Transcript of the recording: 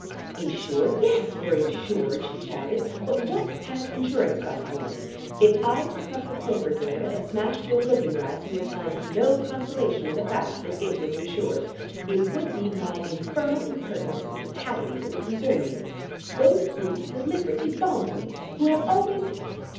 "Insured? Yes, we're insured," she shouted, "but what has insurance got to do with it? If I took up the poker, Dodo, and smashed your looking glass, you would find no consolation in the fact that it was insured. It would be my infernal impertinence and brutality that would concern you. Those brutes deliberately bombed me, who have always